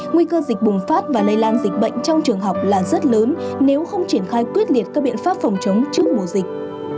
nguy cơ dịch bùng phát và lây lan dịch bệnh trong trường học là rất lớn nếu không triển khai quyết liệt các biện pháp phòng chống trước mùa dịch